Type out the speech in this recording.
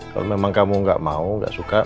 kalo kamu juga gak mau gak suka